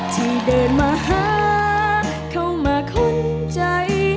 ที่เดินมาหาเข้ามาค้นใจ